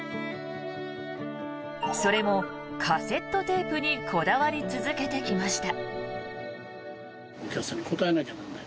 それもカセットテープにこだわり続けてきました。